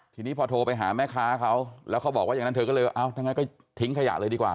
ทีนี้พอโทรไปหาแม่ค้าเขาแล้วเขาบอกว่าอย่างนั้นเธอก็เลยว่าถ้างั้นก็ทิ้งขยะเลยดีกว่า